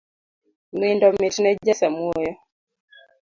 Nindo mitne ja samuoyo